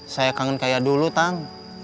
saya kangen kaya dulu tang